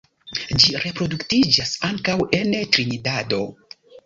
Ĝi reproduktiĝas ankaŭ en Trinidado.